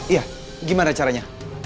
iya gimana caranya